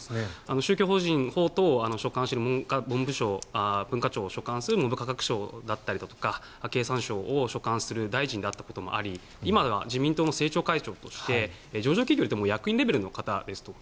宗教法人を所管する文部科学省だったりだとか経産省を所管する大臣であったこともあり今では自民党の政調会長として上場企業で言うともう役員レベルの方です。